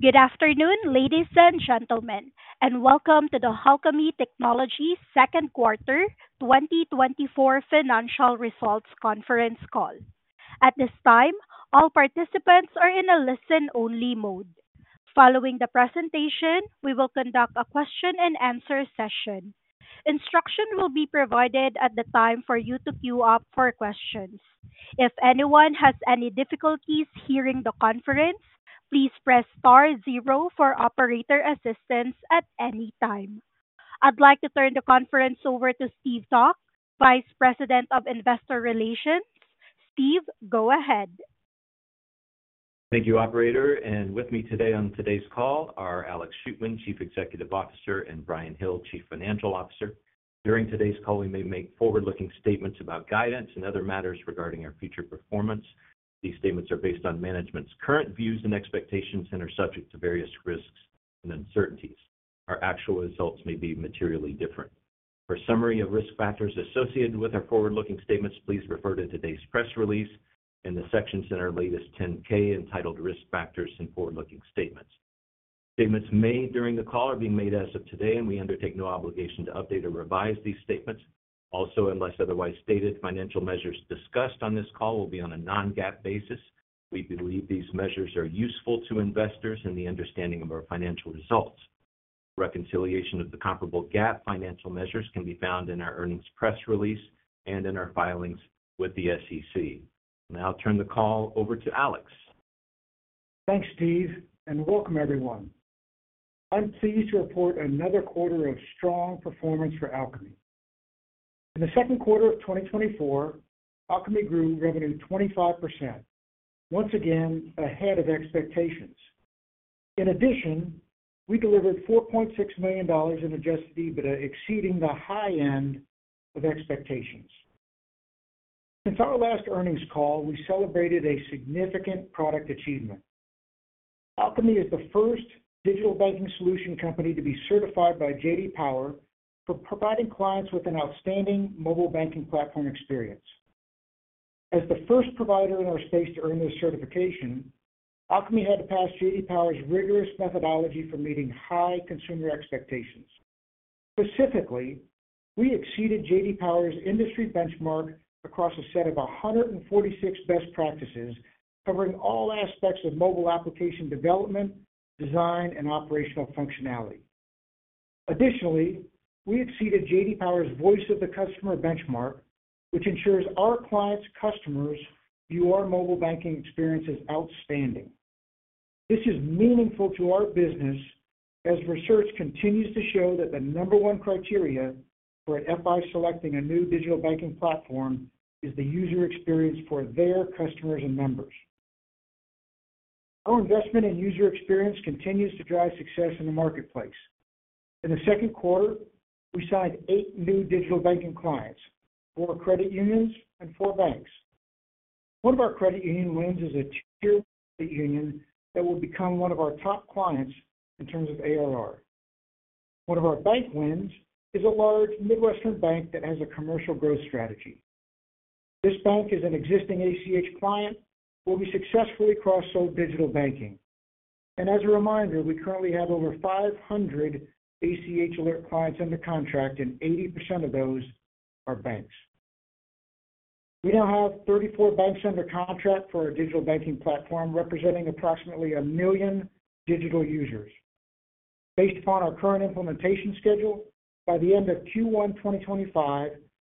Good afternoon, ladies and gentlemen, and welcome to the Alkami Technology Second Quarter 2024 Financial Results Conference Call. At this time, all participants are in a listen-only mode. Following the presentation, we will conduct a question-and-answer session. Instruction will be provided at the time for you to queue up for questions. If anyone has any difficulties hearing the conference, please press star zero for operator assistance at any time. I'd like to turn the conference over to Steve Calk, Vice President of Investor Relations. Steve, go ahead. Thank you, Operator. With me today on today's call are Alex Shootman, Chief Executive Officer, and Bryan Hill, Chief Financial Officer. During today's call, we may make forward-looking statements about guidance and other matters regarding our future performance. These statements are based on management's current views and expectations and are subject to various risks and uncertainties. Our actual results may be materially different. For a summary of risk factors associated with our forward-looking statements, please refer to today's press release in the sections in our latest 10-K entitled Risk Factors and Forward-Looking Statements. Statements made during the call are being made as of today, and we undertake no obligation to update or revise these statements. Also, unless otherwise stated, financial measures discussed on this call will be on a non-GAAP basis. We believe these measures are useful to investors in the understanding of our financial results. Reconciliation of the comparable GAAP financial measures can be found in our earnings press release and in our filings with the SEC. Now, I'll turn the call over to Alex. Thanks, Steve, and welcome, everyone. I'm pleased to report another quarter of strong performance for Alkami. In the second quarter of 2024, Alkami grew revenue 25%, once again ahead of expectations. In addition, we delivered $4.6 million in adjusted EBITDA, exceeding the high end of expectations. Since our last earnings call, we celebrated a significant product achievement. Alkami is the first digital banking solution company to be certified by J.D. Power for providing clients with an outstanding mobile banking platform experience. As the first provider in our space to earn this certification, Alkami had to pass J.D. Power's rigorous methodology for meeting high consumer expectations. Specifically, we exceeded J.D. Power's industry benchmark across a set of 146 best practices covering all aspects of mobile application development, design, and operational functionality. Additionally, we exceeded J.D. Power's voice of the customer benchmark, which ensures our clients' customers view our mobile banking experience as outstanding. This is meaningful to our business as research continues to show that the number one criteria for an FI selecting a new digital banking platform is the user experience for their customers and members. Our investment in user experience continues to drive success in the marketplace. In the second quarter, we signed eight new digital banking clients: four credit unions and four banks. One of our credit union wins is a Tier 1 credit union that will become one of our top clients in terms of ARR. One of our bank wins is a large Midwestern bank that has a commercial growth strategy. This bank is an existing ACH client who will be successfully cross-sold digital banking. As a reminder, we currently have over 500 ACH Alert clients under contract, and 80% of those are banks. We now have 34 banks under contract for our digital banking platform, representing approximately 1 million digital users. Based upon our current implementation schedule, by the end of Q1 2025,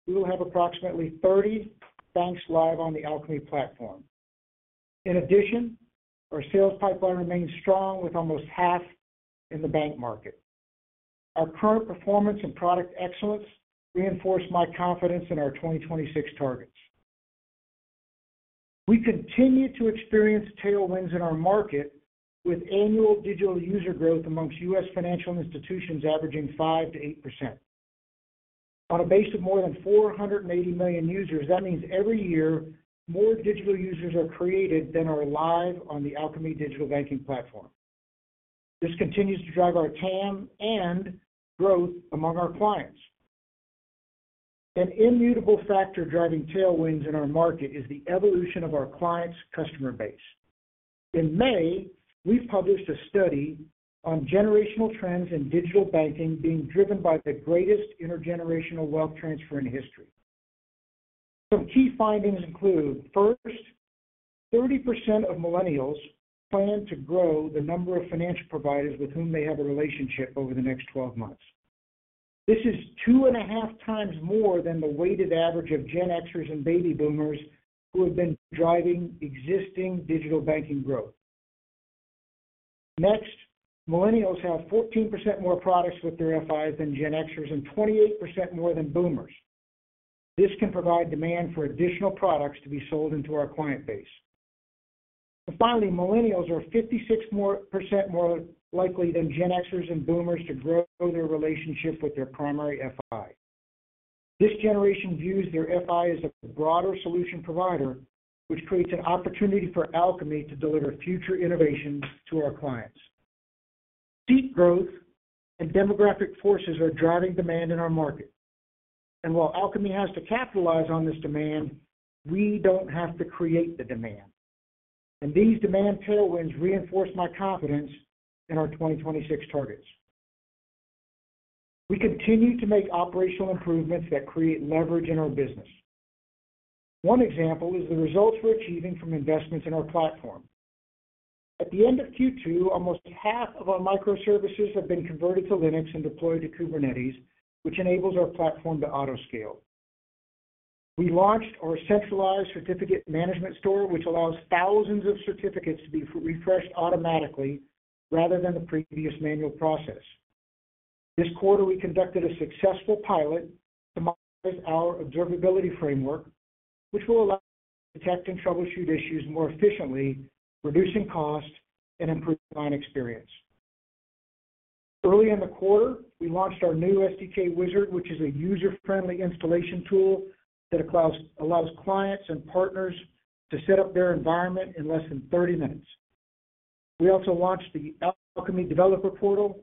we will have approximately 30 banks live on the Alkami platform. In addition, our sales pipeline remains strong, with almost half in the bank market. Our current performance and product excellence reinforce my confidence in our 2026 targets. We continue to experience tailwinds in our market, with annual digital user growth among U.S. financial institutions averaging 5%-8%. On a base of more than 480 million users, that means every year more digital users are created than are live on the Alkami digital banking platform. This continues to drive our TAM and growth among our clients. An immutable factor driving tailwinds in our market is the evolution of our clients' customer base. In May, we published a study on generational trends in digital banking being driven by the greatest intergenerational wealth transfer in history. Some key findings include: first, 30% of millennials plan to grow the number of financial providers with whom they have a relationship over the next 12 months. This is 2.5 times more than the weighted average of Gen Xers and Baby Boomers who have been driving existing digital banking growth. Next, millennials have 14% more products with their FIs than Gen Xers and 28% more than Boomers. This can provide demand for additional products to be sold into our client base. And finally, millennials are 56% more likely than Gen Xers and Boomers to grow their relationship with their primary FI. This generation views their FI as a broader solution provider, which creates an opportunity for Alkami to deliver future innovations to our clients. Seat growth and demographic forces are driving demand in our market. While Alkami has to capitalize on this demand, we don't have to create the demand. These demand tailwinds reinforce my confidence in our 2026 targets. We continue to make operational improvements that create leverage in our business. One example is the results we're achieving from investments in our platform. At the end of Q2, almost half of our microservices have been converted to Linux and deployed to Kubernetes, which enables our platform to autoscale. We launched our centralized certificate management store, which allows thousands of certificates to be refreshed automatically rather than the previous manual process. This quarter, we conducted a successful pilot to modernize our observability framework, which will allow us to detect and troubleshoot issues more efficiently, reducing cost and improving client experience. Early in the quarter, we launched our new SDK Wizard, which is a user-friendly installation tool that allows clients and partners to set up their environment in less than 30 minutes. We also launched the Alkami Developer Portal,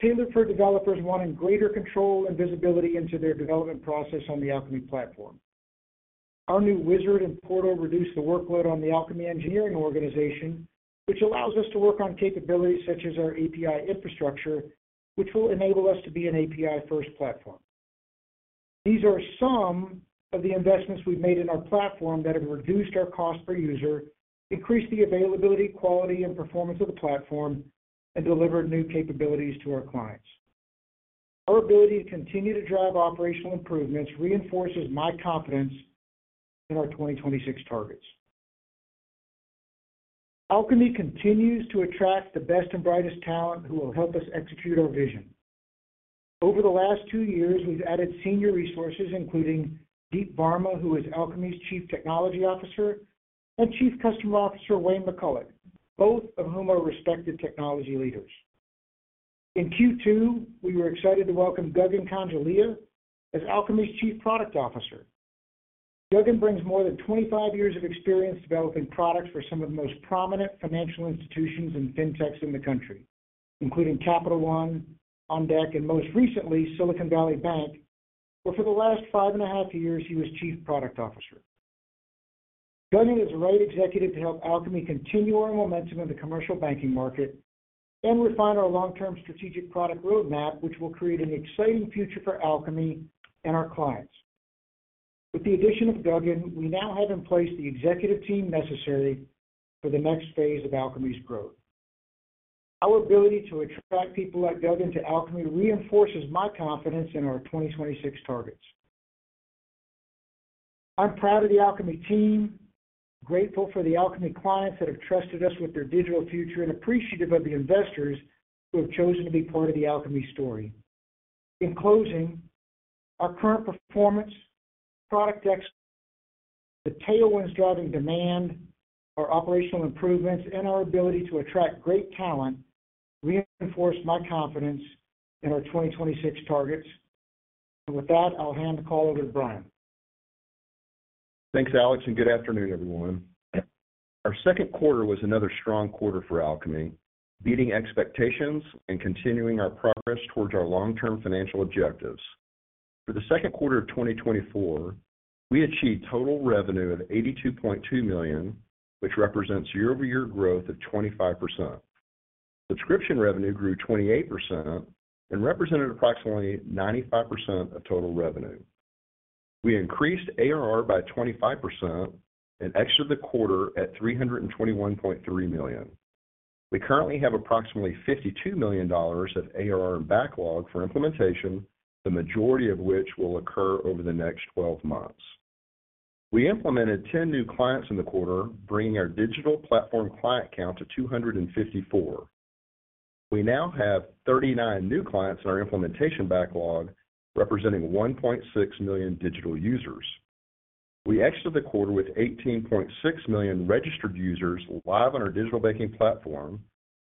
tailored for developers wanting greater control and visibility into their development process on the Alkami platform. Our new Wizard and Portal reduce the workload on the Alkami engineering organization, which allows us to work on capabilities such as our API infrastructure, which will enable us to be an API-first platform. These are some of the investments we've made in our platform that have reduced our cost per user, increased the availability, quality, and performance of the platform, and delivered new capabilities to our clients. Our ability to continue to drive operational improvements reinforces my confidence in our 2026 targets. Alkami continues to attract the best and brightest talent who will help us execute our vision. Over the last two years, we've added senior resources, including Deep Varma, who is Alkami's Chief Technology Officer, and Chief Customer Officer Wayne McCulloch, both of whom are respected technology leaders. In Q2, we were excited to welcome Guggan Kanjolia as Alkami's Chief Product Officer. Guggan brings more than 25 years of experience developing products for some of the most prominent financial institutions and fintechs in the country, including Capital One, OnDeck, and most recently, Silicon Valley Bank, where for the last 5.5 years, he was Chief Product Officer. Guggan is the right executive to help Alkami continue our momentum in the commercial banking market and refine our long-term strategic product roadmap, which will create an exciting future for Alkami and our clients. With the addition of Guggan, we now have in place the executive team necessary for the next phase of Alkami's growth. Our ability to attract people like Guggan to Alkami reinforces my confidence in our 2026 targets. I'm proud of the Alkami team, grateful for the Alkami clients that have trusted us with their digital future, and appreciative of the investors who have chosen to be part of the Alkami story. In closing, our current performance, product excellence, the tailwinds driving demand, our operational improvements, and our ability to attract great talent reinforce my confidence in our 2026 targets. With that, I'll hand the call over to Bryan. Thanks, Alex, and good afternoon, everyone. Our second quarter was another strong quarter for Alkami, beating expectations and continuing our progress towards our long-term financial objectives. For the second quarter of 2024, we achieved total revenue of $82.2 million, which represents year-over-year growth of 25%. Subscription revenue grew 28% and represented approximately 95% of total revenue. We increased ARR by 25% and exited the quarter at $321.3 million. We currently have approximately $52 million of ARR backlog for implementation, the majority of which will occur over the next 12 months. We implemented 10 new clients in the quarter, bringing our digital platform client count to 254. We now have 39 new clients in our implementation backlog, representing 1.6 million digital users. We exited the quarter with 18.6 million registered users live on our digital banking platform,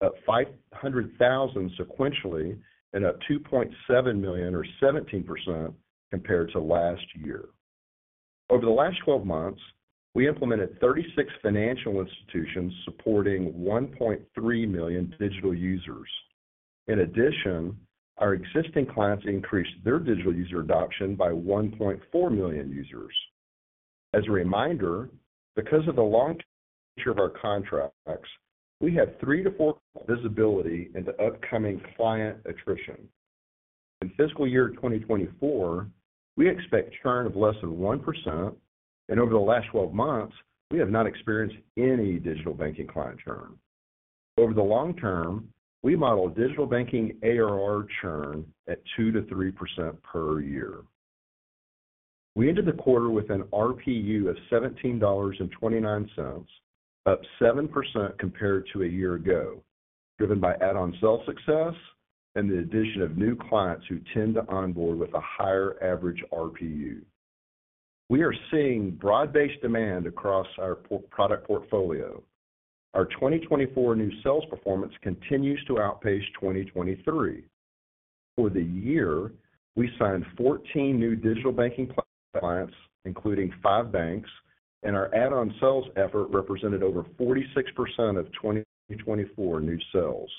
up 500,000 sequentially, and up 2.7 million, or 17%, compared to last year. Over the last 12 months, we implemented 36 financial institutions supporting 1.3 million digital users. In addition, our existing clients increased their digital user adoption by 1.4 million users. As a reminder, because of the long-term nature of our contracts, we have three to four visibility into upcoming client attrition. In Fiscal Year 2024, we expect churn of less than 1%, and over the last 12 months, we have not experienced any digital banking client churn. Over the long term, we model digital banking ARR churn at 2%-3% per year. We ended the quarter with an ARPU of $17.29, up 7% compared to a year ago, driven by add-on sales success and the addition of new clients who tend to onboard with a higher average ARPU. We are seeing broad-based demand across our product portfolio. Our 2024 new sales performance continues to outpace 2023. For the year, we signed 14 new digital banking clients, including five banks, and our add-on sales effort represented over 46% of 2024 new sales.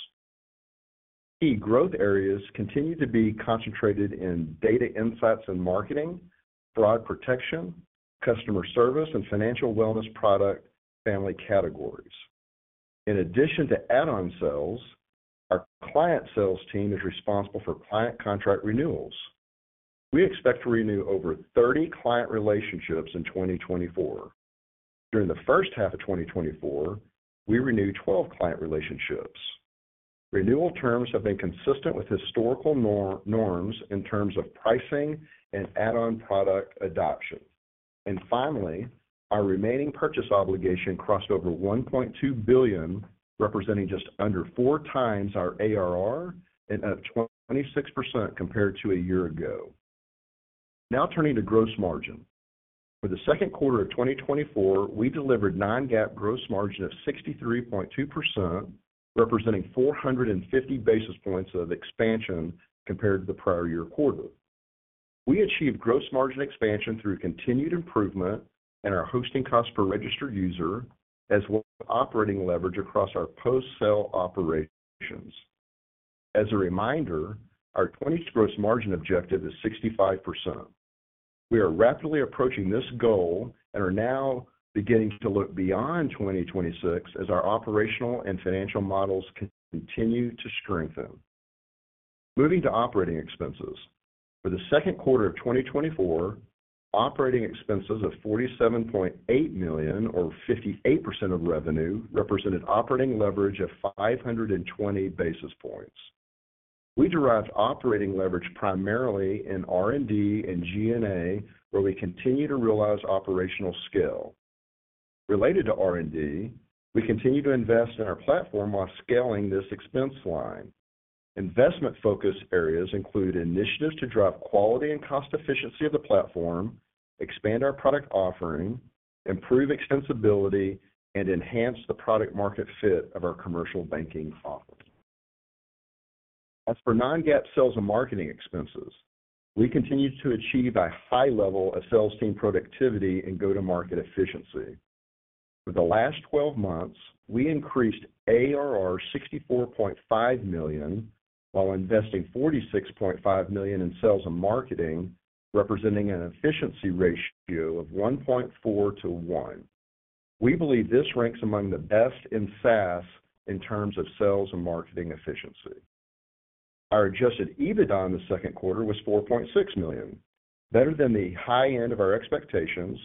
Key growth areas continue to be concentrated in data insights and marketing, fraud protection, customer service, and financial wellness product family categories. In addition to add-on sales, our client sales team is responsible for client contract renewals. We expect to renew over 30 client relationships in 2024. During the first half of 2024, we renewed 12 client relationships. Renewal terms have been consistent with historical norms in terms of pricing and add-on product adoption. And finally, our remaining purchase obligation crossed over $1.2 billion, representing just under 4x our ARR and up 26% compared to a year ago. Now turning to gross margin. For the second quarter of 2024, we delivered non-GAAP gross margin of 63.2%, representing 450 basis points of expansion compared to the prior year quarter. We achieved gross margin expansion through continued improvement in our hosting costs per registered user, as well as operating leverage across our post-sale operations. As a reminder, our 2024 gross margin objective is 65%. We are rapidly approaching this goal and are now beginning to look beyond 2026 as our operational and financial models continue to strengthen. Moving to operating expenses. For the second quarter of 2024, operating expenses of $47.8 million, or 58% of revenue, represented operating leverage of 520 basis points. We derived operating leverage primarily in R&D and G&A, where we continue to realize operational scale. Related to R&D, we continue to invest in our platform while scaling this expense line. Investment-focused areas include initiatives to drive quality and cost efficiency of the platform, expand our product offering, improve extensibility, and enhance the product-market fit of our commercial banking offering. As for non-GAAP sales and marketing expenses, we continue to achieve a high level of sales team productivity and go-to-market efficiency. For the last 12 months, we increased ARR $64.5 million while investing $46.5 million in sales and marketing, representing an efficiency ratio of 1.4 to 1. We believe this ranks among the best in SaaS in terms of sales and marketing efficiency. Our adjusted EBITDA in the second quarter was $4.6 million, better than the high end of our expectations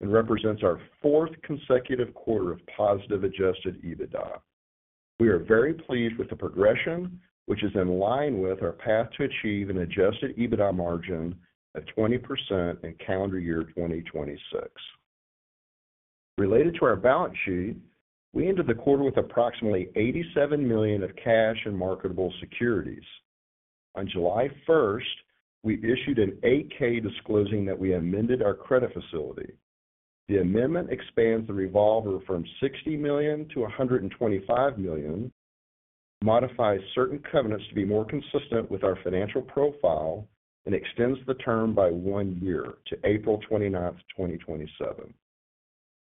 and represents our fourth consecutive quarter of positive adjusted EBITDA. We are very pleased with the progression, which is in line with our path to achieve an adjusted EBITDA margin of 20% in calendar year 2026. Related to our balance sheet, we ended the quarter with approximately $87 million of cash and marketable securities. On July 1st, we issued an 8-K disclosing that we amended our credit facility. The amendment expands the revolver from $60 million to $125 million, modifies certain covenants to be more consistent with our financial profile, and extends the term by one year to April 29th, 2027.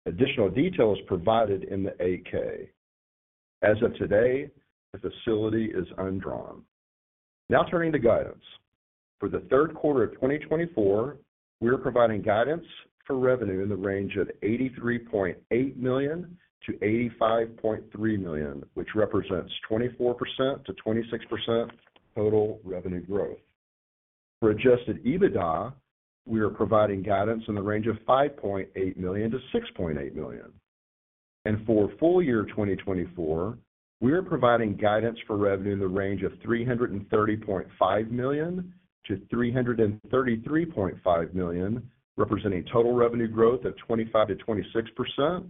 Additional detail is provided in the 8-K. As of today, the facility is undrawn. Now turning to guidance. For the third quarter of 2024, we are providing guidance for revenue in the range of $83.8 million-$85.3 million, which represents 24%-26% total revenue growth. For Adjusted EBITDA, we are providing guidance in the range of $5.8 million-$6.8 million. For full year 2024, we are providing guidance for revenue in the range of $330.5 million-$333.5 million, representing total revenue growth of 25%-26%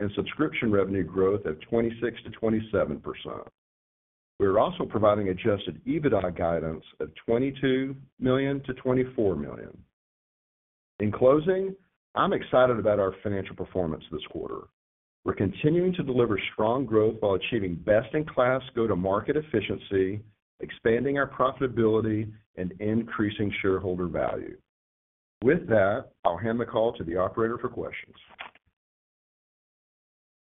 and subscription revenue growth of 26%-27%. We are also providing Adjusted EBITDA guidance of $22 million-$24 million. In closing, I'm excited about our financial performance this quarter. We're continuing to deliver strong growth while achieving best-in-class go-to-market efficiency, expanding our profitability, and increasing shareholder value. With that, I'll hand the call to the operator for questions.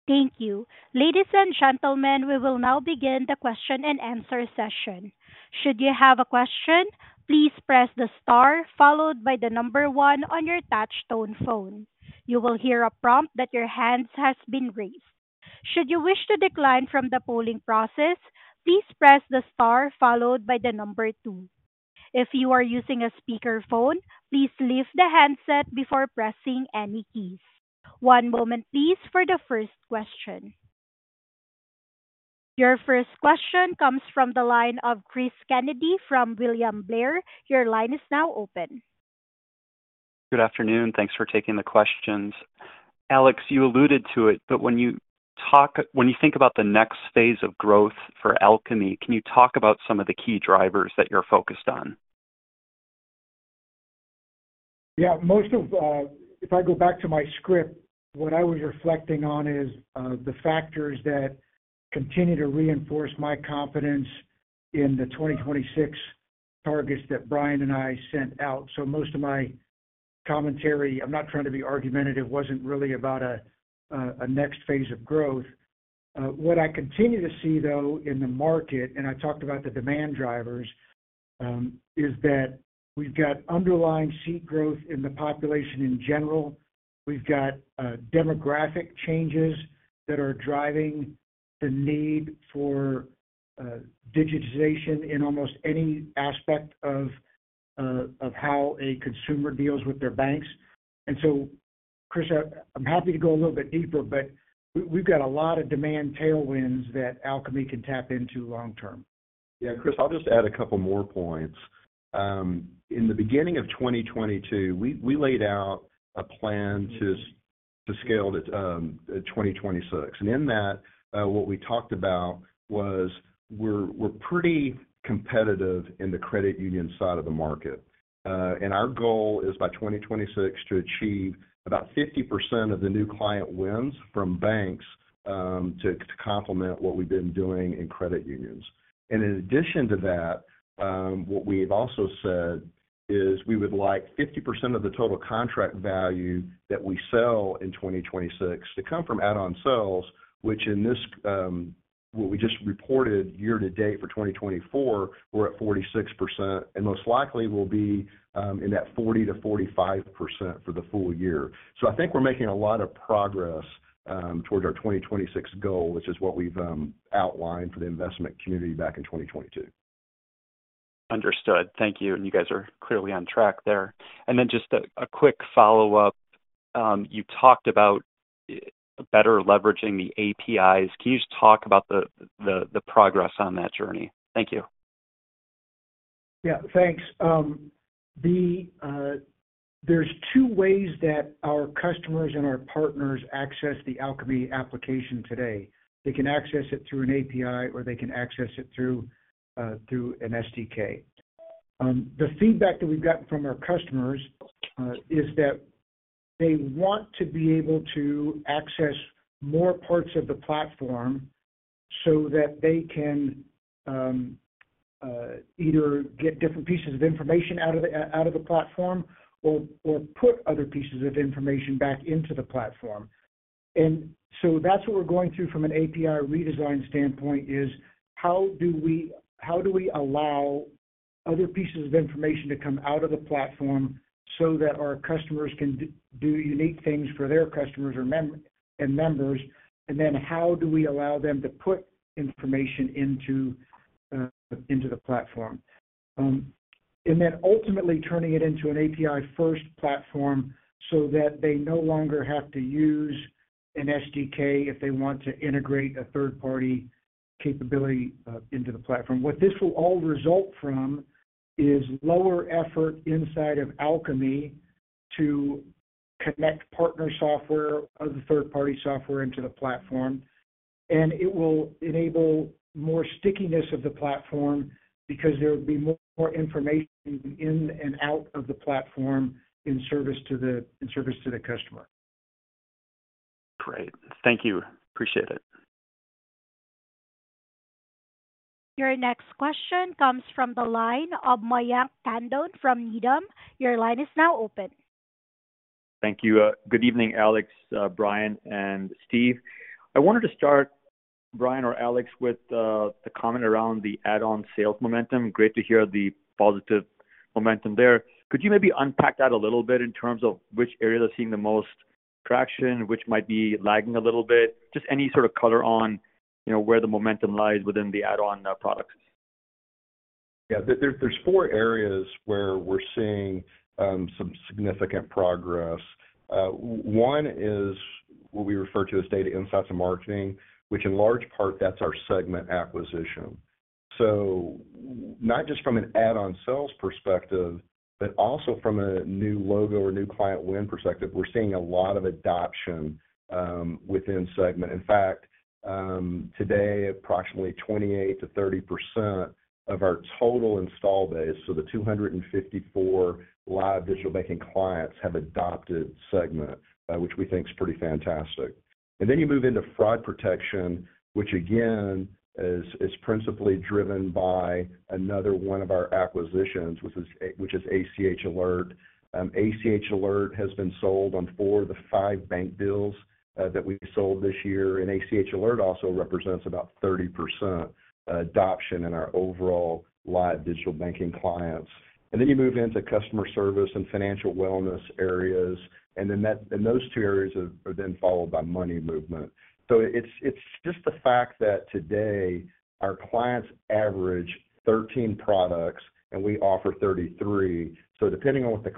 Thank you. Ladies and gentlemen, we will now begin the question and answer session. Should you have a question, please press the star followed by the number one on your touch-tone phone. You will hear a prompt that your hand has been raised. Should you wish to decline from the polling process, please press the star followed by the number two. If you are using a speakerphone, please lift the handset before pressing any keys. One moment, please, for the first question. Your first question comes from the line of Chris Kennedy from William Blair. Your line is now open. Good afternoon. Thanks for taking the questions. Alex, you alluded to it, but when you think about the next phase of growth for Alkami, can you talk about some of the key drivers that you're focused on? Yeah. Most of, if I go back to my script, what I was reflecting on is the factors that continue to reinforce my confidence in the 2026 targets that Bryan and I sent out. So most of my commentary, I'm not trying to be argumentative, wasn't really about a next phase of growth. What I continue to see, though, in the market, and I talked about the demand drivers, is that we've got underlying seed growth in the population in general. We've got demographic changes that are driving the need for digitization in almost any aspect of how a consumer deals with their banks. And so, Chris, I'm happy to go a little bit deeper, but we've got a lot of demand tailwinds that Alkami can tap into long-term. Yeah, Chris, I'll just add a couple more points. In the beginning of 2022, we laid out a plan to scale to 2026. In that, what we talked about was we're pretty competitive in the credit union side of the market. Our goal is by 2026 to achieve about 50% of the new client wins from banks to complement what we've been doing in credit unions. In addition to that, what we've also said is we would like 50% of the total contract value that we sell in 2026 to come from add-on sales, which in this, what we just reported year to date for 2024, we're at 46%, and most likely will be in that 40%-45% for the full year. I think we're making a lot of progress towards our 2026 goal, which is what we've outlined for the investment community back in 2022. Understood. Thank you. You guys are clearly on track there. Then just a quick follow-up. You talked about better leveraging the APIs. Can you just talk about the progress on that journey? Thank you. Yeah, thanks. There's two ways that our customers and our partners access the Alkami application today. They can access it through an API, or they can access it through an SDK. The feedback that we've gotten from our customers is that they want to be able to access more parts of the platform so that they can either get different pieces of information out of the platform or put other pieces of information back into the platform. And so that's what we're going through from an API redesign standpoint, is how do we allow other pieces of information to come out of the platform so that our customers can do unique things for their customers and members, and then how do we allow them to put information into the platform. Then ultimately turning it into an API-first platform so that they no longer have to use an SDK if they want to integrate a third-party capability into the platform. What this will all result from is lower effort inside of Alkami to connect partner software of the third-party software into the platform. And it will enable more stickiness of the platform because there will be more information in and out of the platform in service to the customer. Great. Thank you. Appreciate it. Your next question comes from the line of Mayank Tandon from Needham. Your line is now open. Thank you. Good evening, Alex, Bryan, and Steve. I wanted to start, Bryan or Alex, with the comment around the add-on sales momentum. Great to hear the positive momentum there. Could you maybe unpack that a little bit in terms of which areas are seeing the most traction, which might be lagging a little bit? Just any sort of color on where the momentum lies within the add-on products. Yeah. There's 4 areas where we're seeing some significant progress. One is what we refer to as data insights and marketing, which in large part, that's our Segmint acquisition. So not just from an add-on sales perspective, but also from a new logo or new client win perspective, we're seeing a lot of adoption within Segmint. In fact, today, approximately 28%-30% of our total install base, so the 254 live digital banking clients, have adopted Segmint, which we think is pretty fantastic. And then you move into fraud protection, which again is principally driven by another one of our acquisitions, which is ACH Alert. ACH Alert has been sold on four of the five bank deals that we sold this year. And ACH Alert also represents about 30% adoption in our overall live digital banking clients. And then you move into customer service and financial wellness areas. Those two areas are then followed by money movement. So it's just the fact that today our clients average 13 products, and we offer 33. So depending on what the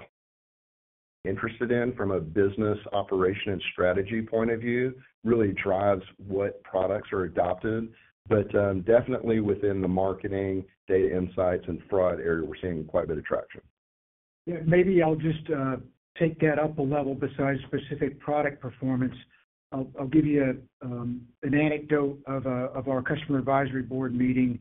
client is interested in from a business operation and strategy point of view, really drives what products are adopted. But definitely within the marketing, data insights, and fraud area, we're seeing quite a bit of traction. Yeah. Maybe I'll just take that up a level besides specific product performance. I'll give you an anecdote of our customer advisory board meeting.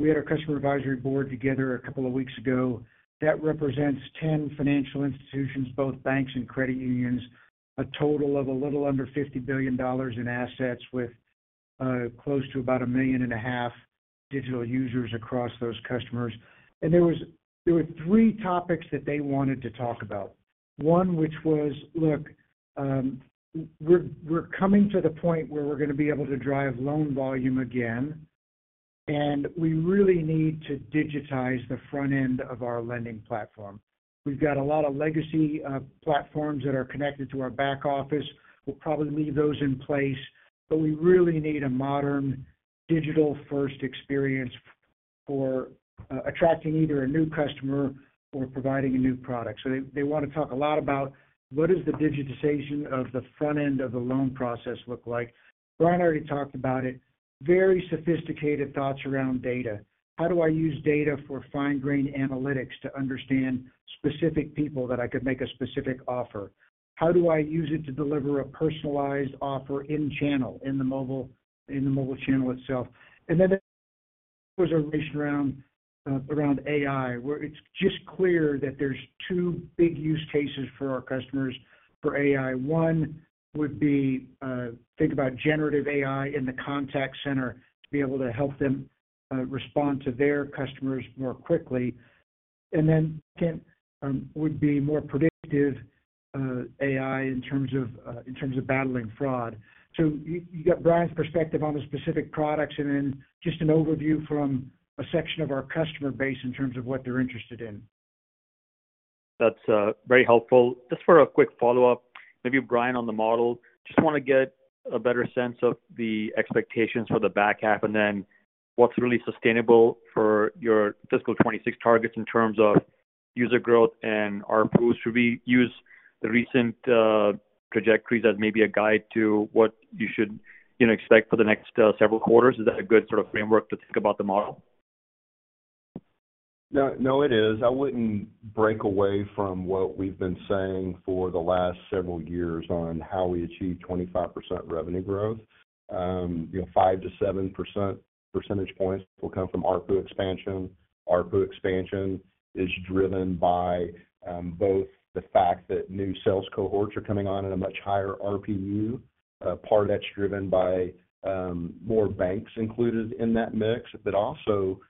We had our customer advisory board together a couple of weeks ago. That represents 10 financial institutions, both banks and credit unions, a total of a little under $50 billion in assets with close to about 1.5 million digital users across those customers. And there were three topics that they wanted to talk about. One which was, "Look, we're coming to the point where we're going to be able to drive loan volume again, and we really need to digitize the front end of our lending platform. We've got a lot of legacy platforms that are connected to our back office. We'll probably leave those in place, but we really need a modern digital-first experience for attracting either a new customer or providing a new product. So they want to talk a lot about what does the digitization of the front end of the loan process look like. Bryan already talked about it. Very sophisticated thoughts around data. How do I use data for fine-grained analytics to understand specific people that I could make a specific offer? How do I use it to deliver a personalized offer in channel, in the mobile channel itself? And then there was a reason around AI, where it's just clear that there's two big use cases for our customers for AI. One would be think about generative AI in the contact center to be able to help them respond to their customers more quickly. And then second would be more predictive AI in terms of battling fraud. So you got Bryan's perspective on the specific products and then just an overview from a section of our customer base in terms of what they're interested in. That's very helpful. Just for a quick follow-up, maybe Bryan on the model. Just want to get a better sense of the expectations for the back half and then what's really sustainable for your fiscal 2026 targets in terms of user growth and our approach. Should we use the recent trajectories as maybe a guide to what you should expect for the next several quarters? Is that a good sort of framework to think about the model? No, it is. I wouldn't break away from what we've been saying for the last several years on how we achieve 25% revenue growth. 5%-7% percentage points will come from AARPU expansion. AARPU expansion is driven by both the fact that new sales cohorts are coming on in a much higher ARPU. Part of that's driven by more banks included in that mix, but also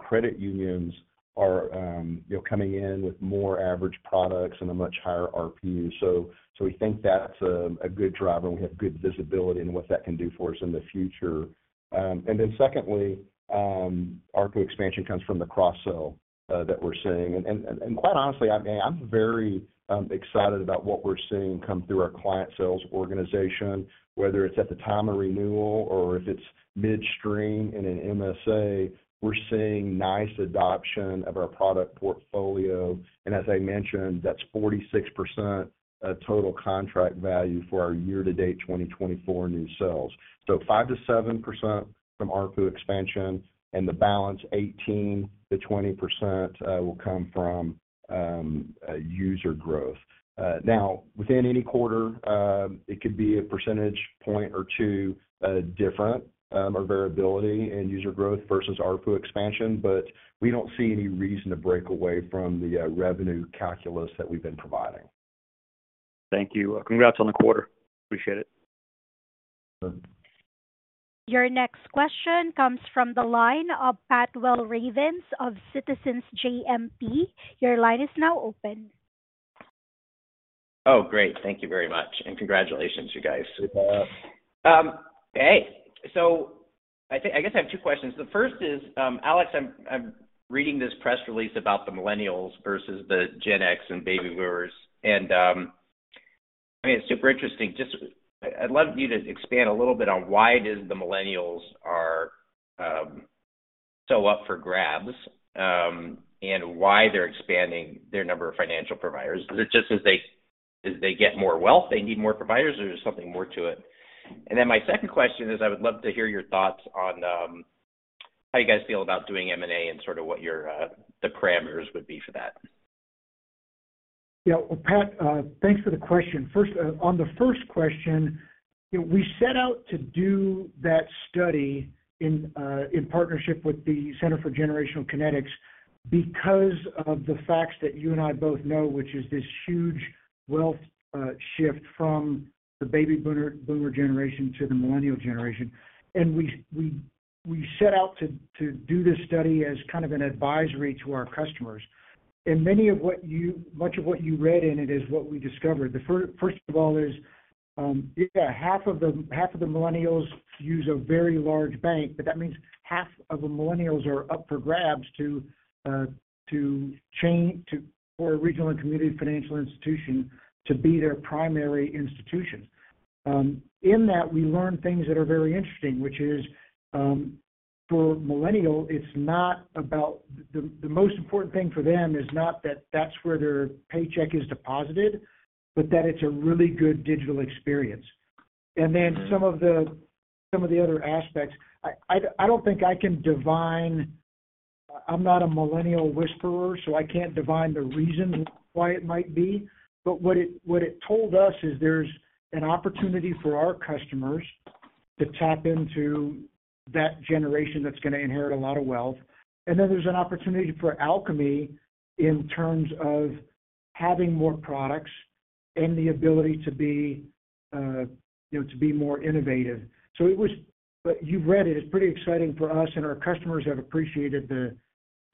credit unions are coming in with more average products and a much higher ARPU. So we think that's a good driver, and we have good visibility in what that can do for us in the future. Then secondly, AARPU expansion comes from the cross-sell that we're seeing. And quite honestly, I'm very excited about what we're seeing come through our client sales organization, whether it's at the time of renewal or if it's midstream in an MSA. We're seeing nice adoption of our product portfolio. As I mentioned, that's 46% total contract value for our year-to-date 2024 new sales. 5%-7% from AARPU expansion, and the balance 18%-20% will come from user growth. Now, within any quarter, it could be a percentage point or two different or variability in user growth versus AARPU expansion, but we don't see any reason to break away from the revenue calculus that we've been providing. Thank you. Congrats on the quarter. Appreciate it. Your next question comes from the line of Pat Walravens of Citizens JMP. Your line is now open. Oh, great. Thank you very much. Congratulations, you guys. Hey. So I guess I have two questions. The first is, Alex, I'm reading this press release about the Millennials versus the Gen X and Baby Boomers. And I mean, it's super interesting. I'd love you to expand a little bit on why it is the Millennials are so up for grabs and why they're expanding their number of financial providers. Is it just as they get more wealth, they need more providers, or is there something more to it? And then my second question is I would love to hear your thoughts on how you guys feel about doing M&A and sort of what the parameters would be for that. Yeah. Well, Pat, thanks for the question. On the first question, we set out to do that study in partnership with the Center for Generational Kinetics because of the facts that you and I both know, which is this huge wealth shift from the Baby Boomer generation to the Millennial generation. We set out to do this study as kind of an advisory to our customers. Much of what you read in it is what we discovered. First of all, yeah, half of the millennials use a very large bank, but that means half of the millennials are up for grabs to a regional and community financial institution to be their primary institution. In that, we learned things that are very interesting, which is, for millennials, it's not about the most important thing for them is not that that's where their paycheck is deposited, but that it's a really good digital experience. And then some of the other aspects, I don't think I can divine. I'm not a millennial whisperer, so I can't divine the reason why it might be. But what it told us is there's an opportunity for our customers to tap into that generation that's going to inherit a lot of wealth. And then there's an opportunity for Alkami in terms of having more products and the ability to be more innovative. So you've read it. It's pretty exciting for us, and our customers have appreciated the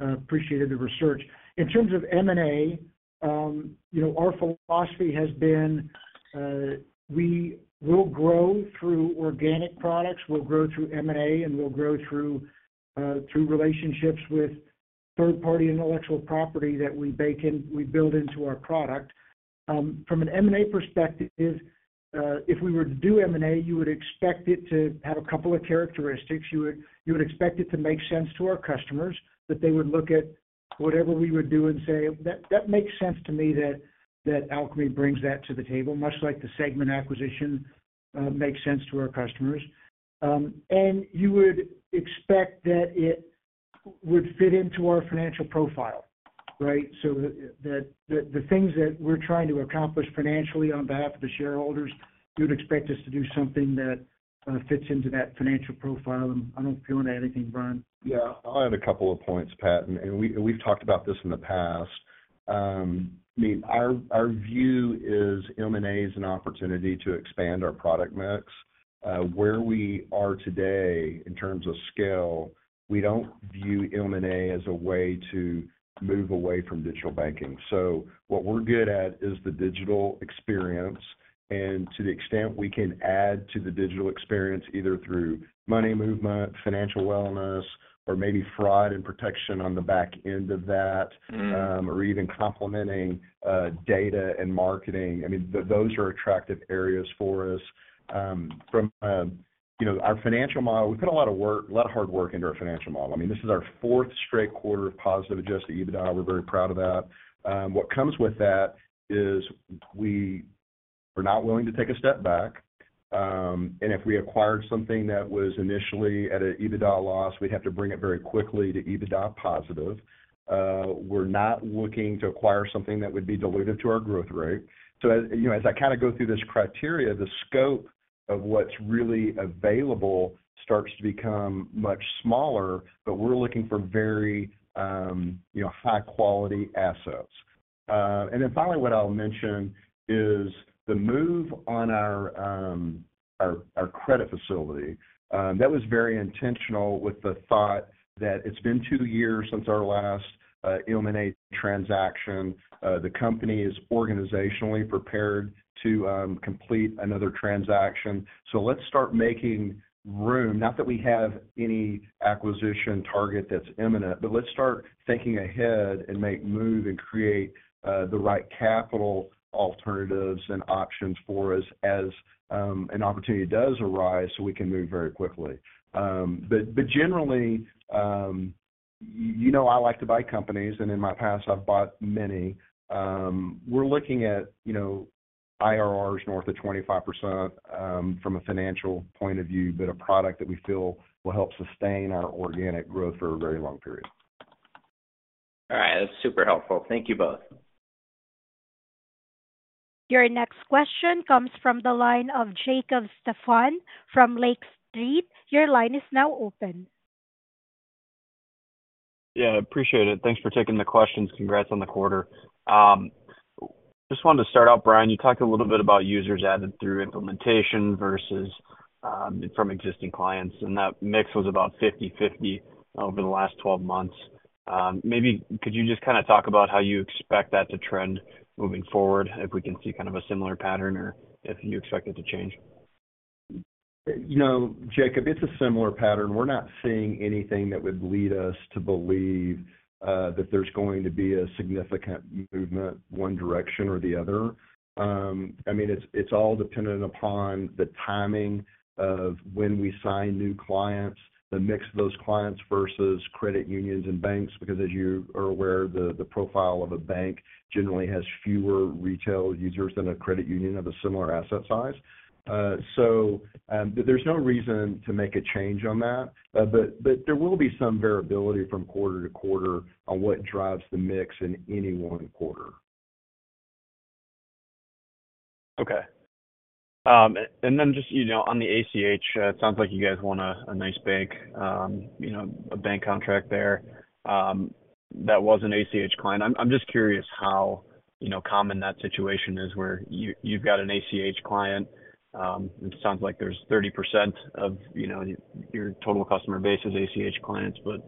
research. In terms of M&A, our philosophy has been we will grow through organic products, we'll grow through M&A, and we'll grow through relationships with third-party intellectual property that we bake in, we build into our product. From an M&A perspective, if we were to do M&A, you would expect it to have a couple of characteristics. You would expect it to make sense to our customers, that they would look at whatever we would do and say, "That makes sense to me that Alkami brings that to the table," much like the Segmint acquisition makes sense to our customers. And you would expect that it would fit into our financial profile, right? So the things that we're trying to accomplish financially on behalf of the shareholders, you would expect us to do something that fits into that financial profile. And I don't know if you want to add anything, Bryan. Yeah. I'll add a couple of points, Pat. And we've talked about this in the past. I mean, our view is M&A is an opportunity to expand our product mix. Where we are today in terms of scale, we don't view M&A as a way to move away from digital banking. So what we're good at is the digital experience. And to the extent we can add to the digital experience either through money movement, financial wellness, or maybe fraud and protection on the back end of that, or even complementing data and marketing, I mean, those are attractive areas for us. From our financial model, we put a lot of work, a lot of hard work into our financial model. I mean, this is our fourth straight quarter of positive Adjusted EBITDA. We're very proud of that. What comes with that is we are not willing to take a step back. If we acquired something that was initially at an EBITDA loss, we'd have to bring it very quickly to EBITDA positive. We're not looking to acquire something that would be diluted to our growth rate. So as I kind of go through this criteria, the scope of what's really available starts to become much smaller, but we're looking for very high-quality assets. Then finally, what I'll mention is the move on our credit facility. That was very intentional with the thought that it's been two years since our last M&A transaction. The company is organizationally prepared to complete another transaction. So let's start making room. Not that we have any acquisition target that's imminent, but let's start thinking ahead and make moves and create the right capital alternatives and options for us as an opportunity does arise so we can move very quickly. But generally, you know I like to buy companies, and in my past, I've bought many. We're looking at IRRs north of 25% from a financial point of view, but a product that we feel will help sustain our organic growth for a very long period. All right. That's super helpful. Thank you both. Your next question comes from the line of Jacob Stephan from Lake Street. Your line is now open. Yeah. I appreciate it. Thanks for taking the questions. Congrats on the quarter. Just wanted to start out, Bryan, you talked a little bit about users added through implementation versus from existing clients, and that mix was about 50/50 over the last 12 months. Maybe could you just kind of talk about how you expect that to trend moving forward if we can see kind of a similar pattern or if you expect it to change? Jacob, it's a similar pattern. We're not seeing anything that would lead us to believe that there's going to be a significant movement one direction or the other. I mean, it's all dependent upon the timing of when we sign new clients, the mix of those clients versus credit unions and banks, because as you are aware, the profile of a bank generally has fewer retail users than a credit union of a similar asset size. So there's no reason to make a change on that, but there will be some variability from quarter-to-quarter on what drives the mix in any one quarter. Okay. And then just on the ACH, it sounds like you guys won a nice bank contract there that was an ACH client. I'm just curious how common that situation is where you've got an ACH client. It sounds like there's 30% of your total customer base is ACH clients, but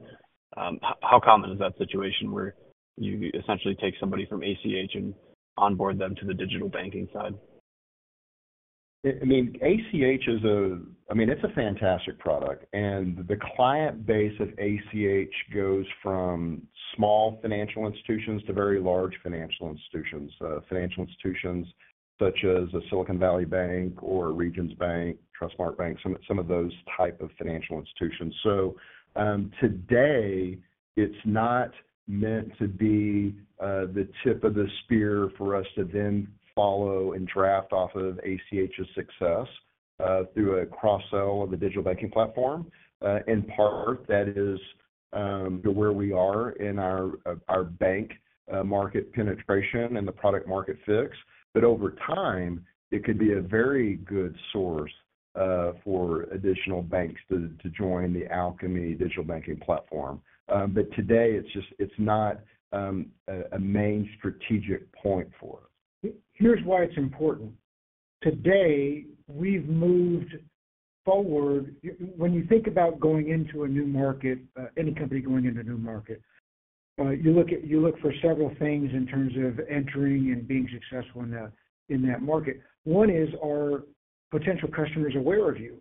how common is that situation where you essentially take somebody from ACH and onboard them to the digital banking side? I mean, ACH is a—I mean, it's a fantastic product. The client base of ACH goes from small financial institutions to very large financial institutions, financial institutions such as Silicon Valley Bank or Regions Bank, Trustmark, some of those type of financial institutions. So today, it's not meant to be the tip of the spear for us to then follow and draft off of ACH's success through a cross-sell of the digital banking platform. In part, that is where we are in our bank market penetration and the product-market fit. But over time, it could be a very good source for additional banks to join the Alkami digital banking platform. But today, it's not a main strategic point for us. Here's why it's important. Today, we've moved forward. When you think about going into a new market, any company going into a new market, you look for several things in terms of entering and being successful in that market. One is, are potential customers aware of you?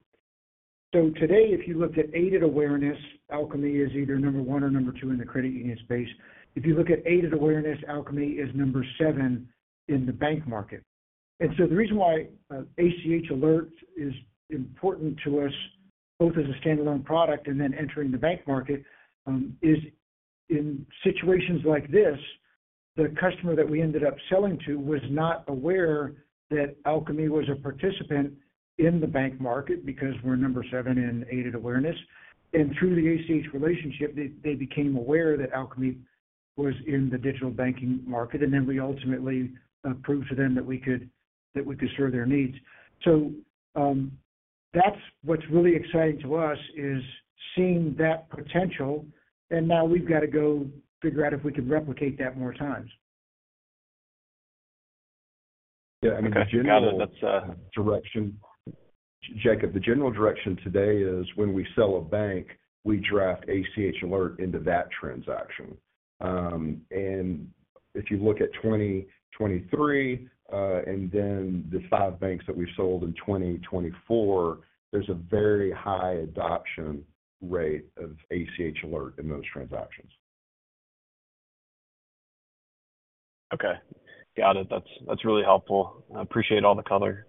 So today, if you looked at aided awareness, Alkami is either number 1 or number 2 in the credit union space. If you look at aided awareness, Alkami is number seven in the bank market. And so the reason why ACH Alert is important to us, both as a standalone product and then entering the bank market, is in situations like this, the customer that we ended up selling to was not aware that Alkami was a participant in the bank market because we're number seven in aided awareness. Through the ACH relationship, they became aware that Alkami was in the digital banking market, and then we ultimately proved to them that we could serve their needs. That's what's really exciting to us, is seeing that potential, and now we've got to go figure out if we can replicate that more times. Yeah. I mean, that's a direction. Jacob, the general direction today is when we sell a bank, we draft ACH Alert into that transaction. And if you look at 2023 and then the five banks that we've sold in 2024, there's a very high adoption rate of ACH Alert in those transactions. Okay. Got it. That's really helpful. Appreciate all the color.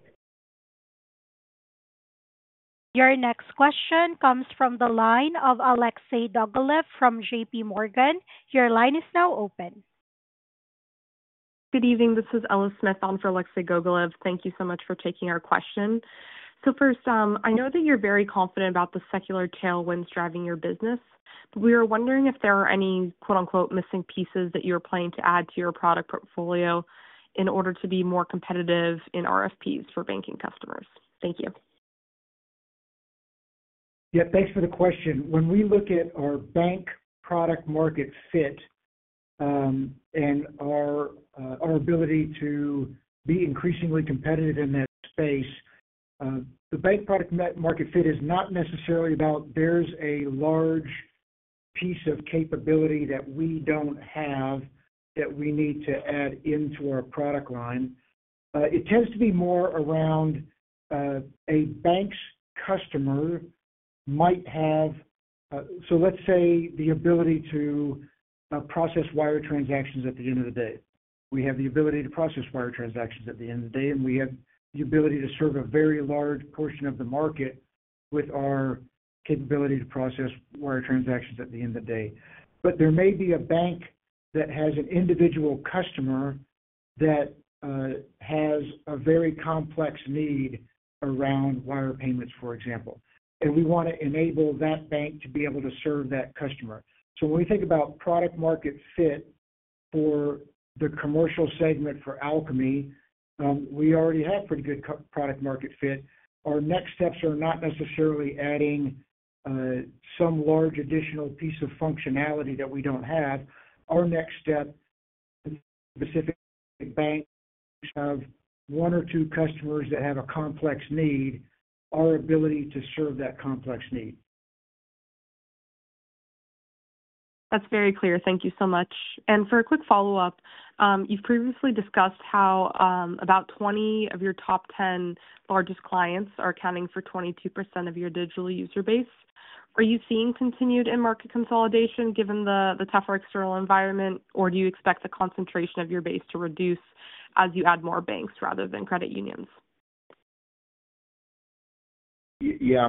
Your next question comes from the line of Alexei Gogolev from J.P. Morgan. Your line is now open. Good evening. This is Ella Smith on for Alexei Gogolev. Thank you so much for taking our question. So first, I know that you're very confident about the secular tailwinds driving your business, but we are wondering if there are any "missing pieces" that you're planning to add to your product portfolio in order to be more competitive in RFPs for banking customers. Thank you. Yeah. Thanks for the question. When we look at our bank product market fit and our ability to be increasingly competitive in that space, the bank product market fit is not necessarily about there's a large piece of capability that we don't have that we need to add into our product line. It tends to be more around a bank's customer might have so let's say the ability to process wire transactions at the end of the day. We have the ability to process wire transactions at the end of the day, and we have the ability to serve a very large portion of the market with our capability to process wire transactions at the end of the day. But there may be a bank that has an individual customer that has a very complex need around wire payments, for example, and we want to enable that bank to be able to serve that customer. So when we think about product market fit for the commercial segment for Alkami, we already have pretty good product market fit. Our next steps are not necessarily adding some large additional piece of functionality that we don't have. Our next step, specifically banks have one or two customers that have a complex need, our ability to serve that complex need. That's very clear. Thank you so much. For a quick follow-up, you've previously discussed how about 20 of your top 10 largest clients are accounting for 22% of your digital user base. Are you seeing continued in-market consolidation given the tougher external environment, or do you expect the concentration of your base to reduce as you add more banks rather than credit unions? Yeah.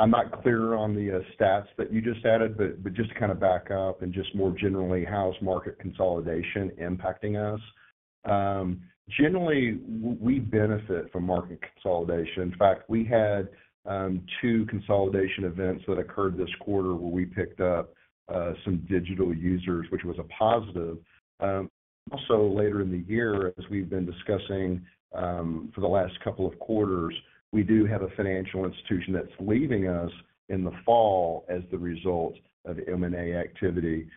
I'm not clear on the stats that you just added, but just to kind of back up and just more generally, how is market consolidation impacting us? Generally, we benefit from market consolidation. In fact, we had two consolidation events that occurred this quarter where we picked up some digital users, which was a positive. Also, later in the year, as we've been discussing for the last couple of quarters, we do have a financial institution that's leaving us in the fall as the result of M&A activity.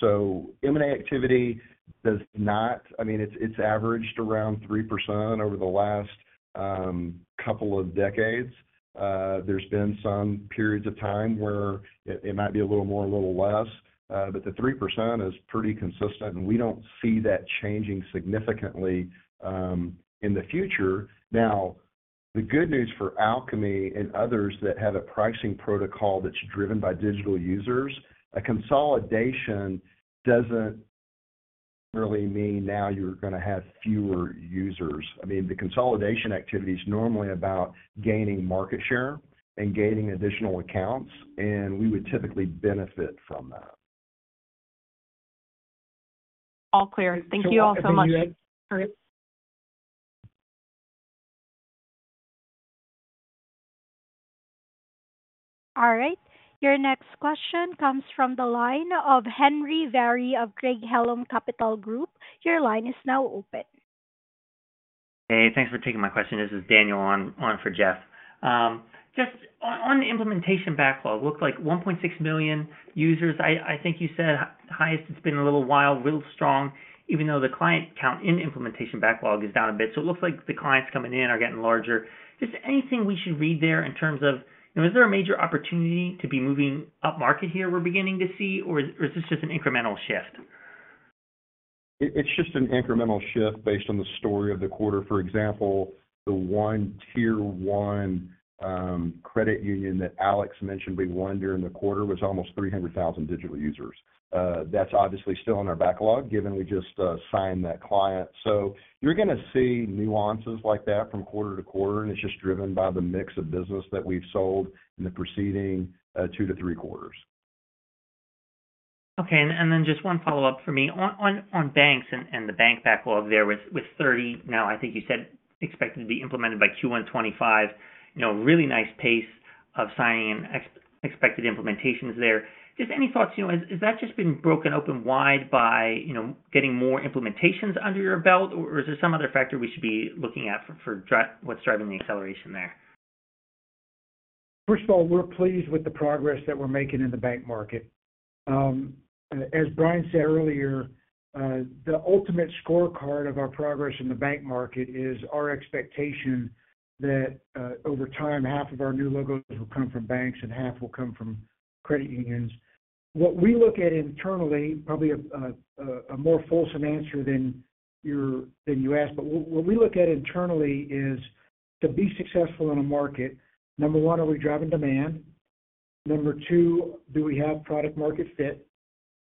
So M&A activity does not. I mean, it's averaged around 3% over the last couple of decades. There's been some periods of time where it might be a little more or a little less, but the 3% is pretty consistent, and we don't see that changing significantly in the future. Now, the good news for Alkami and others that have a pricing protocol that's driven by digital users, a consolidation doesn't really mean now you're going to have fewer users. I mean, the consolidation activity is normally about gaining market share and gaining additional accounts, and we would typically benefit from that. All clear. Thank you all so much. All right. All right. Your next question comes from the line of Jeff Van Rhee of Craig-Hallum Capital Group. Your line is now open. Hey. Thanks for taking my question. This is Daniel on for Jeff. Just on the implementation backlog, it looks like 1.6 million users. I think you said highest. It's been a little while, real strong, even though the client count in implementation backlog is down a bit. So it looks like the clients coming in are getting larger. Just anything we should read there in terms of, is there a major opportunity to be moving up market here we're beginning to see, or is this just an incremental shift? It's just an incremental shift based on the story of the quarter. For example, the one tier one credit union that Alex mentioned we won during the quarter was almost 300,000 digital users. That's obviously still in our backlog given we just signed that client. So you're going to see nuances like that from quarter to quarter, and it's just driven by the mix of business that we've sold in the preceding two to three quarters. Okay. And then just one follow-up for me. On banks and the bank backlog there with 30, now I think you said expected to be implemented by Q1 2025, really nice pace of signing and expected implementations there. Just any thoughts? Has that just been broken open wide by getting more implementations under your belt, or is there some other factor we should be looking at for what's driving the acceleration there? First of all, we're pleased with the progress that we're making in the bank market. As Bryan said earlier, the ultimate scorecard of our progress in the bank market is our expectation that over time, half of our new logos will come from banks and half will come from credit unions. What we look at internally, probably a more fulsome answer than you asked, but what we look at internally is to be successful in a market, number one, are we driving demand? Number two, do we have product market fit?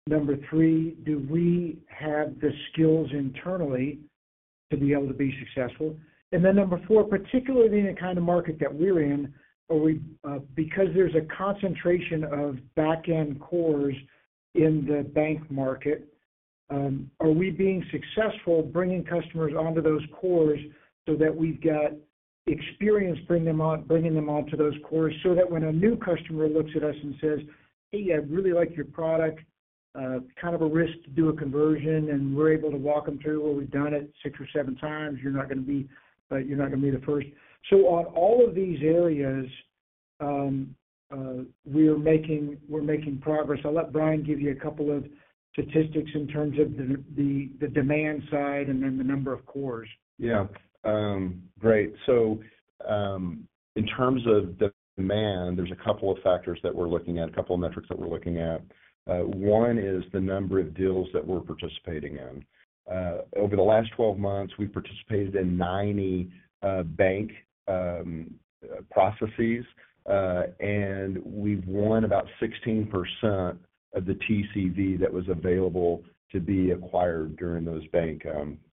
Number three, do we have the skills internally to be able to be successful? Then number four, particularly in the kind of market that we're in, because there's a concentration of back-end cores in the bank market, are we being successful bringing customers onto those cores so that we've got experience bringing them onto those cores so that when a new customer looks at us and says, "Hey, I really like your product, kind of a risk to do a conversion," and we're able to walk them through, "Well, we've done it six or seven times. You're not going to be the first." So on all of these areas, we're making progress. I'll let Bryan give you a couple of statistics in terms of the demand side and then the number of cores. Yeah. Great. So in terms of the demand, there's a couple of factors that we're looking at, a couple of metrics that we're looking at. One is the number of deals that we're participating in. Over the last 12 months, we've participated in 90 bank processes, and we've won about 16% of the TCV that was available to be acquired during those bank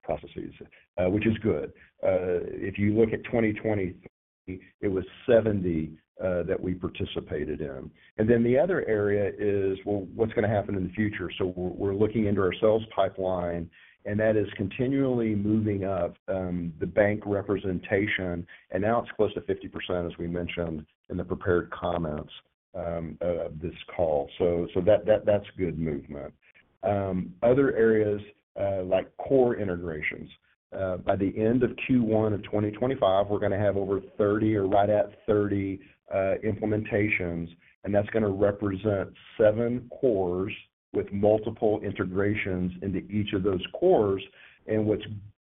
processes, which is good. If you look at 2023, it was 70 that we participated in. And then the other area is, well, what's going to happen in the future? So we're looking into our sales pipeline, and that is continually moving up the bank representation, and now it's close to 50%, as we mentioned in the prepared comments of this call. So that's good movement. Other areas like core integrations. By the end of Q1 of 2025, we're going to have over 30 or right at 30 implementations, and that's going to represent 7 cores with multiple integrations into each of those cores. What's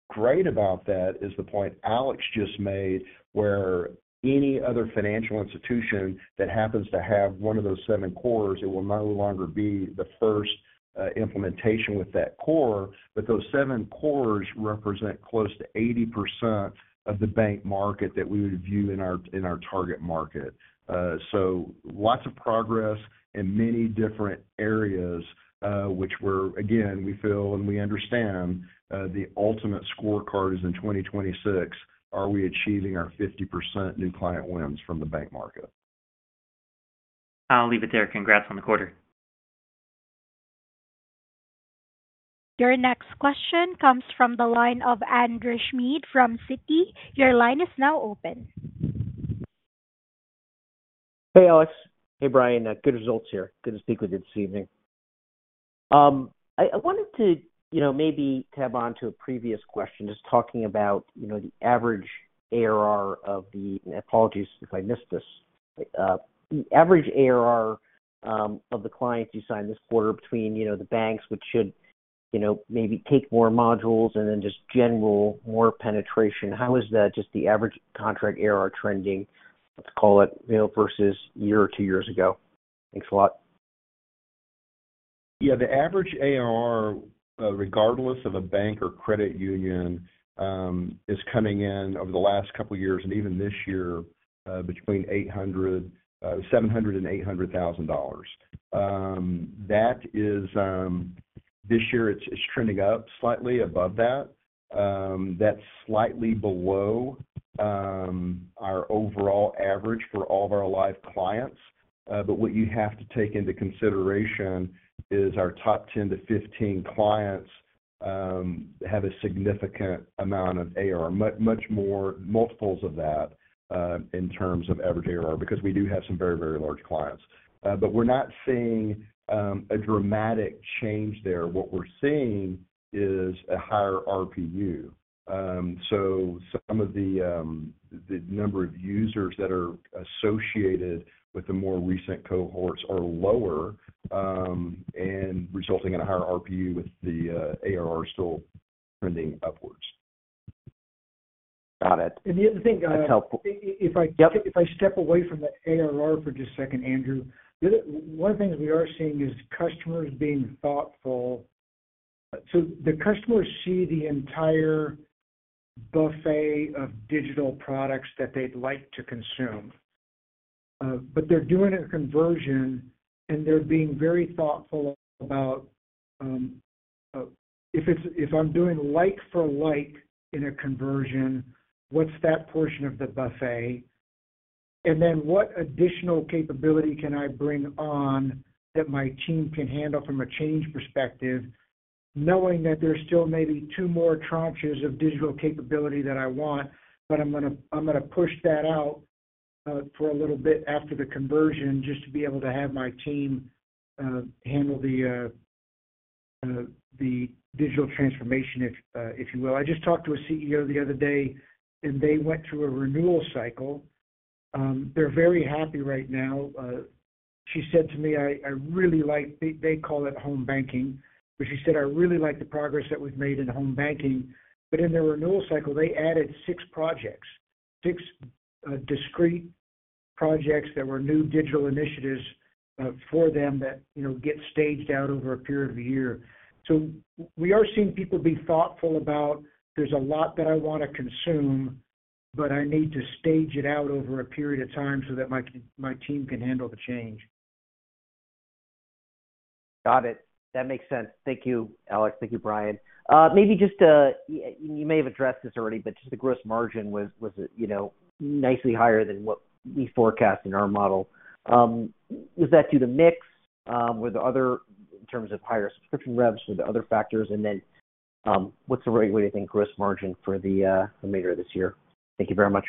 great about that is the point Alex just made where any other financial institution that happens to have one of those 7 cores, it will no longer be the first implementation with that core, but those 7 cores represent close to 80% of the bank market that we would view in our target market. Lots of progress in many different areas, which we're, again, we feel and we understand the ultimate scorecard is in 2026, are we achieving our 50% new client wins from the bank market? I'll leave it there. Congrats on the quarter. Your next question comes from the line of Andrew Schmidt from Citi. Your line is now open. Hey, Alex. Hey, Bryan. Good results here. Good to speak with you this evening. I wanted to maybe tap on to a previous question, just talking about the average ARR of the, apologies if I missed this, the average ARR of the clients you signed this quarter between the banks, which should maybe take more modules and then just generally more penetration. How is just the average contract ARR trending, let's call it, versus a year or two years ago? Thanks a lot. Yeah. The average ARR, regardless of a bank or credit union, is coming in over the last couple of years and even this year between $700,000 and $800,000. This year, it's trending up slightly above that. That's slightly below our overall average for all of our live clients. But what you have to take into consideration is our top 10-15 clients have a significant amount of ARR, much more multiples of that in terms of average ARR because we do have some very, very large clients. But we're not seeing a dramatic change there. What we're seeing is a higher ARPU. So some of the number of users that are associated with the more recent cohorts are lower and resulting in a higher ARPU with the ARR still trending upwards. Got it. That's helpful. And the other thing if I step away from the ARR for just a second, Andrew, one of the things we are seeing is customers being thoughtful. So the customers see the entire buffet of digital products that they'd like to consume, but they're doing a conversion, and they're being very thoughtful about if I'm doing like-for-like in a conversion, what's that portion of the buffet? And then what additional capability can I bring on that my team can handle from a change perspective, knowing that there's still maybe two more tranches of digital capability that I want, but I'm going to push that out for a little bit after the conversion just to be able to have my team handle the digital transformation, if you will. I just talked to a CEO the other day, and they went through a renewal cycle. They're very happy right now. She said to me, "I really like," they call it home banking, but she said, "I really like the progress that we've made in home banking." But in the renewal cycle, they added six projects, six discrete projects that were new digital initiatives for them that get staged out over a period of a year. So we are seeing people be thoughtful about, "There's a lot that I want to consume, but I need to stage it out over a period of time so that my team can handle the change. Got it. That makes sense. Thank you, Alex. Thank you, Bryan. Maybe just you may have addressed this already, but just the gross margin was nicely higher than what we forecast in our model. Was that due to mix? Were there other, in terms of highe subscription revs? Were there other factors? And then what's the right way to think gross margin for the remainder of this year? Thank you very much.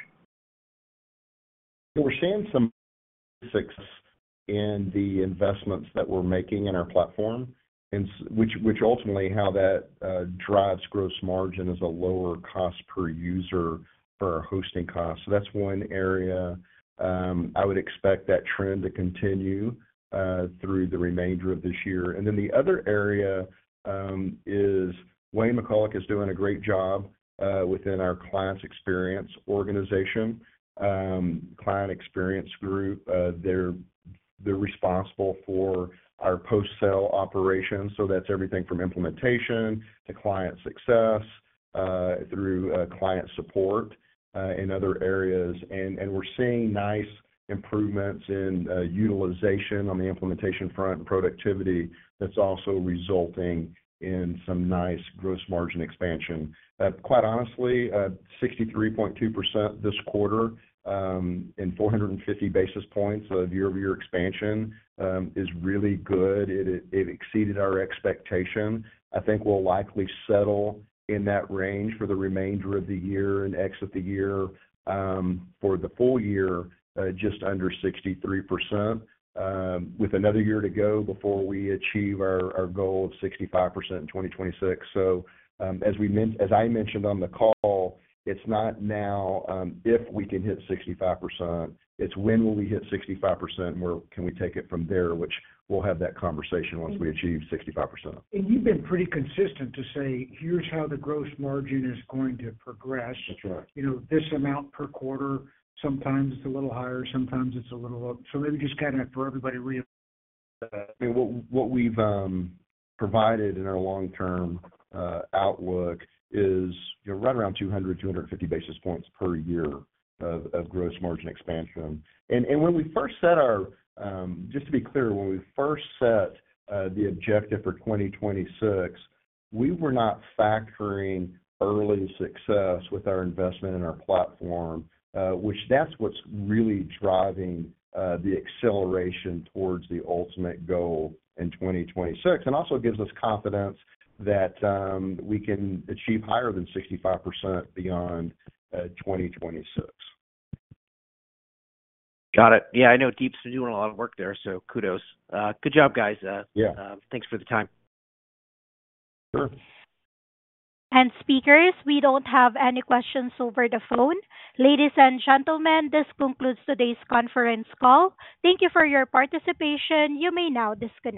We're seeing some fixes in the investments that we're making in our platform, which ultimately how that drives gross margin is a lower cost per user for our hosting costs. So that's one area I would expect that trend to continue through the remainder of this year. And then the other area is Wayne McCulloch is doing a great job within our clients' experience organization, Client Experience Group. They're responsible for our post-sale operations. So that's everything from implementation to client success through client support in other areas. And we're seeing nice improvements in utilization on the implementation front and productivity. That's also resulting in some nice gross margin expansion. Quite honestly, 63.2% this quarter and 450 basis points of year-over-year expansion is really good. It exceeded our expectation. I think we'll likely settle in that range for the remainder of the year and exit the year. For the full year, just under 63% with another year to go before we achieve our goal of 65% in 2026. As I mentioned on the call, it's not now if we can hit 65%. It's when will we hit 65% and where can we take it from there, which we'll have that conversation once we achieve 65%. You've been pretty consistent to say, "Here's how the gross margin is going to progress. That's right. This amount per quarter. Sometimes it's a little higher. Sometimes it's a little lower. I mean, what we've provided in our long-term outlook is right around 200, 250 basis points per year of gross margin expansion. And when we first set our—just to be clear, when we first set the objective for 2026, we were not factoring early success with our investment in our platform, which that's what's really driving the acceleration towards the ultimate goal in 2026 and also gives us confidence that we can achieve higher than 65% beyond 2026. Got it. Yeah. I know Deep's been doing a lot of work there, so kudos. Good job, guys. Thanks for the time. Sure. Speakers, we don't have any questions over the phone. Ladies and gentlemen, this concludes today's conference call. Thank you for your participation. You may now disconnect.